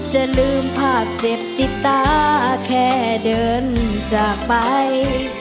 จะลืมภาพเจ็บติดตาแค่เดินจากไป